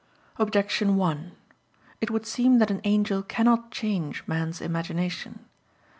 Objection 1: It would seem that an angel cannot change man's imagination.